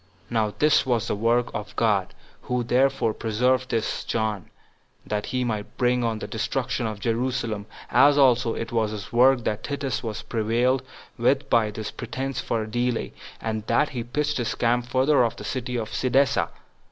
Now this was the work of God, who therefore preserved this John, that he might bring on the destruction of Jerusalem; as also it was his work that Titus was prevailed with by this pretense for a delay, and that he pitched his camp further off the city at Cydessa.